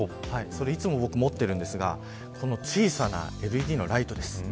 いつも、僕持っているんですが小さなＬＥＤのライトです。